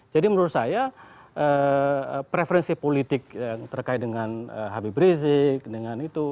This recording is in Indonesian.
jadi menurut saya preferensi politik yang terkait dengan habib rizieq dengan itu